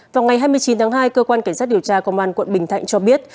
vào ngày hai mươi chín tháng hai cơ quan cảnh sát điều tra công an quận bình thạnh cho biết